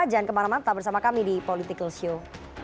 jangan kemana mana tetap bersama kami di political show